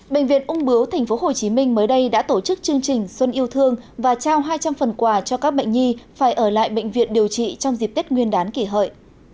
bệnh viện ung bướu tp hcm mới đây đã tổ chức chương trình xuân yêu thương và trao hai trăm linh phần quà cho các bệnh nhi phải ở lại bệnh viện điều trị trong dịp tết nguyên đán kỷ hợi